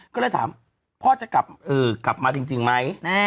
ก็เลยถามพ่อจะกลับมาจริงไหม